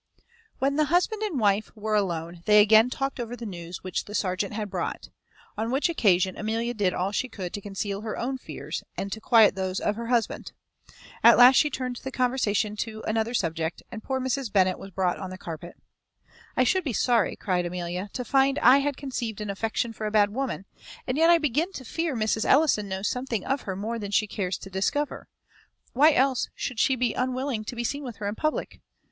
_ When the husband and wife were alone they again talked over the news which the serjeant had brought; on which occasion Amelia did all she could to conceal her own fears, and to quiet those of her husband. At last she turned the conversation to another subject, and poor Mrs. Bennet was brought on the carpet. "I should be sorry," cries Amelia, "to find I had conceived an affection for a bad woman; and yet I begin to fear Mrs. Ellison knows something of her more than she cares to discover; why else should she be unwilling to be seen with her in public?